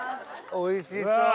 おいしそう！